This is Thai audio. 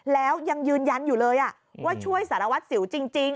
แล้วยังยืนยันอยู่เลยว่าช่วยสารวัตรสิวจริง